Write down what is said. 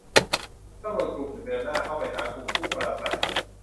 ตำรวจกลุ่มหนึ่งเดินหน้าเข้าไปหากลุ่มผู้ปราศรัย